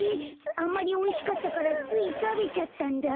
あんまりおいしかったからついたべちゃったんだ。